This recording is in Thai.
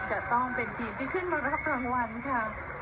จะต้องเป็นทีมที่ขึ้นมารับรางวัลค่ะ